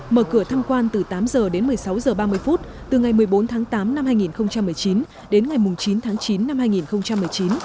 mở cửa tham quan từ tám h đến một mươi sáu h ba mươi phút từ ngày một mươi bốn tháng tám năm hai nghìn một mươi chín đến ngày chín tháng chín năm hai nghìn một mươi chín